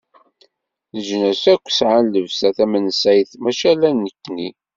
Leǧnas akk sɛan llebsa tamensayt, mačči ala nekni.